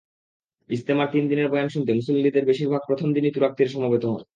ইজতেমার তিন দিনের বয়ান শুনতে মুসল্লিদের বেশির ভাগ প্রথম দিনই তুরাগতীরে সমবেত হন।